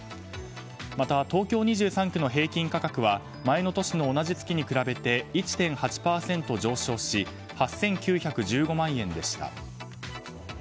また東京２３区の平均価格は前の年の同じ月に比べて１．８％上昇８９１５万円でした。